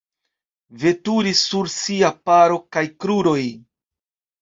Veturi sur sia paro da kruroj.